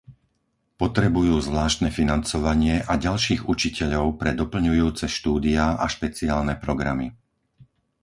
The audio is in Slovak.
Potrebujú zvláštne financovanie a ďalších učiteľov pre doplňujúce štúdiá a špeciálne programy.